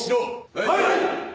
はい！